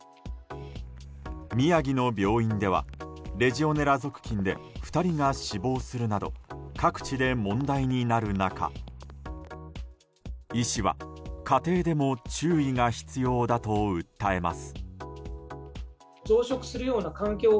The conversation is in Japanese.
宮城の病院ではレジオネラ属菌で２人が死亡するなど各地で問題になる中医師は家庭でも注意が必要だと訴えます。